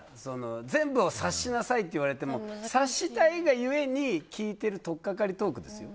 全部を察しなさいと言われても察したいが故に聞いてるとっかかりトークですよ。